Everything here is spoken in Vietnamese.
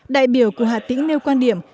đại biểu của hà tĩnh nêu quan điểm